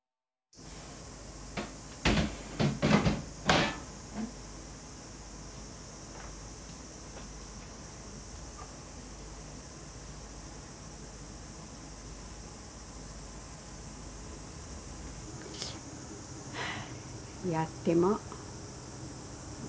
やっても。